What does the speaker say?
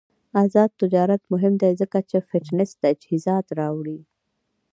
آزاد تجارت مهم دی ځکه چې فټنس تجهیزات راوړي.